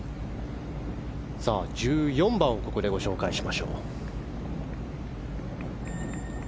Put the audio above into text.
１４番をここでご紹介しましょう。